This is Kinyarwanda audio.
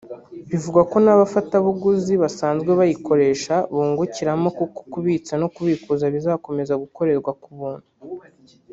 Bivugwa ko n’abafatabuguzi basanzwe bayikoresha bungukiramo kuko kubitsa no kubikuza bizakomeza gukorerwa ku buntu